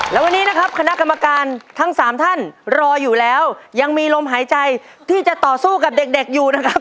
และวันนี้นะครับคณะกรรมการทั้งสามท่านรออยู่แล้วยังมีลมหายใจที่จะต่อสู้กับเด็กอยู่นะครับ